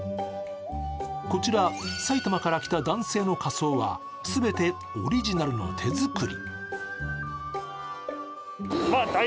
こちら、埼玉から来た男性の仮装は全てオリジナルの手作り。